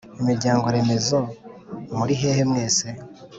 imiryangoremezo muri hehe mwese